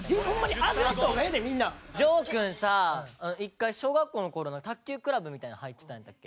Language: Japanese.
丈くんさ一回小学校の頃の卓球クラブみたいなの入ってたんだっけ？